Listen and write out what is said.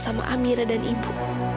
sama amirah dan ibu